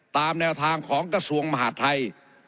ตามแนวทางของกระทรวงมหาดไทย